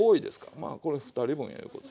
まあこれ２人分やいうことで。